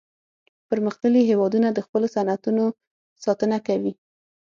پرمختللي هیوادونه د خپلو صنعتونو ساتنه کوي